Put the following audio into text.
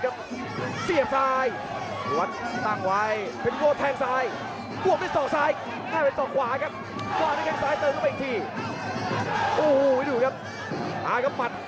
อภิวัตตสงสัยไปอีกแล้วครับ